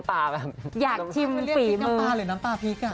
ว่าเราเรียกพริกน้ำปลา